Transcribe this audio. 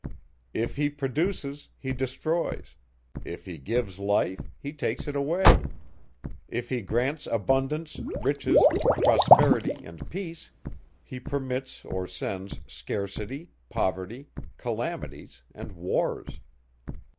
If he produces, he destroys; if he gives life, he takes it away; if he grants abundance, riches, prosperity, and peace, he permits or sends scarcity, poverty, calamities, and wars.